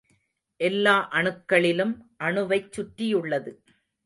எல்லா அணுக்களிலும் அணுவைச் சுற்றியுள்ளது.